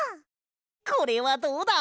これはどうだ？